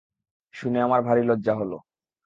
শুনে আমার ভারি লজ্জা হল।